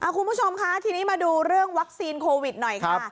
คุณผู้ชมคะทีนี้มาดูเรื่องวัคซีนโควิดหน่อยค่ะ